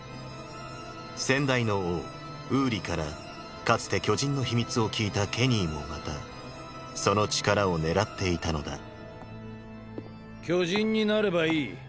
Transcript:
先代の王ウーリからかつて巨人の秘密を聞いたケニーもまたその力を狙っていたのだ巨人になればいい。